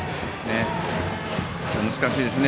難しいですね。